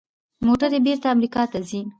موټرې بیرته امریکا ته ځي.